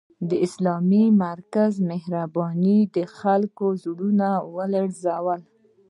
د اسلامي مرکز مهربانۍ د خلکو زړونه ولړزول